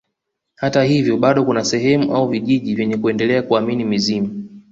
Hata hivyo bado kuna sehemu au vijiji vyenye kuendelea kuamini mizimu